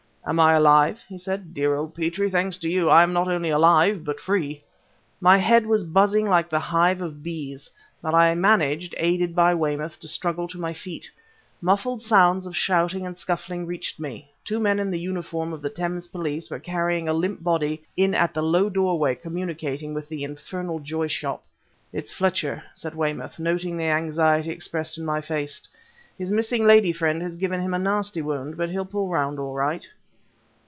"Am I alive?" he said. "Dear old Petrie! Thanks to you, I am not only alive, but free!" My head was buzzing like a hive of bees, but I managed, aided by Weymouth, to struggle to my feet. Muffled sounds of shouting and scuffling reached me. Two men in the uniform of the Thames Police were carrying a limp body in at the low doorway communicating with the infernal Joy Shop. "It's Fletcher," said Weymouth, noting the anxiety expressed in my face. "His missing lady friend has given him a nasty wound, but he'll pull round all right."